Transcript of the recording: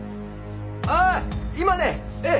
ああ今ねええ